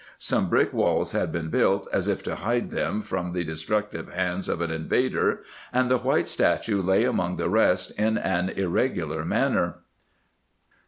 Some brick walls had been built, as if to hide them from the destructive hands of an invader, and the white statue lay among the rest in an irre gular manner.